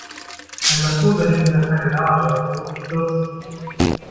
Ein Matrose hängt in der Takelage und droht zu stürzen.